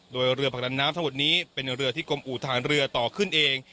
โดยเรือผลักดันน้ำทั้งหมดนี้เป็นเรือที่กรมอูทหารเรือต่อขึ้นเอง